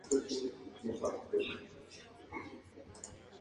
El turismo es parte esencial de la economía.